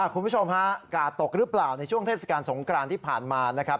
คุณผู้ชมฮะกาดตกหรือเปล่าในช่วงเทศกาลสงกรานที่ผ่านมานะครับ